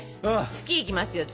「月」いきますよ「月」！